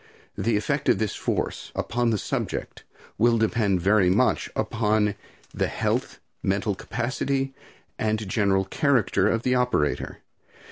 The effect of this force upon the subject will depend very much upon the health, mental capacity and general character of the operator.